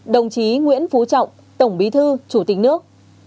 đồng chí nguyễn phú trọng tổng bí thư chủ tịch nước